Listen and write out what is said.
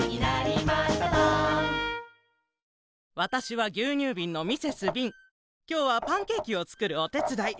わたしはぎゅうにゅうびんのきょうはパンケーキをつくるおてつだい。